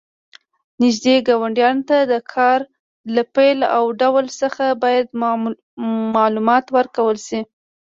نږدې ګاونډیانو ته د کار له پیل او ډول څخه باید معلومات ورکړل شي.